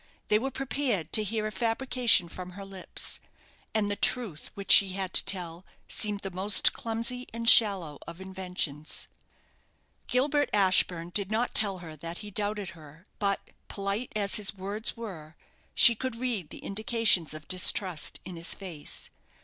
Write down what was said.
They were prepared to hear a fabrication from her lips; and the truth which she had to tell seemed the most clumsy and shallow of inventions. Gilbert Ashburne did not tell her that he doubted her; but, polite as his words were, she could read the indications of distrust in his face.